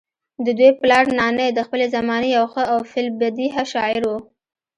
ددوي پلار نانے د خپلې زمانې يو ښۀ او في البديهه شاعر وو